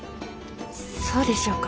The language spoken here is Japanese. そうでしょうか？